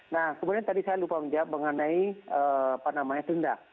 nah kemudian tadi saya lupa mengenai denda